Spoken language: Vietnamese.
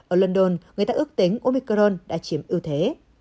ở london người ta ước tính omicron đã chiếm ưu thế